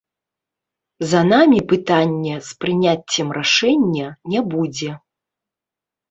За намі пытання з прыняццем рашэння не будзе.